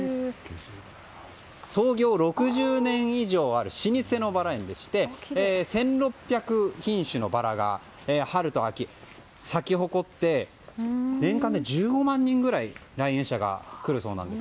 創業６０年以上ある老舗のバラ園でして１６００品種のバラが春と秋に咲き誇って年間で１５万人ぐらい来園者が来るそうです。